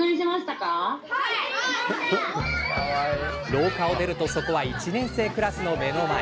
廊下を出るとそこは１年生クラスの目の前。